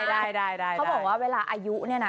เขาบอกว่าเวลาอายุเนี่ยนะ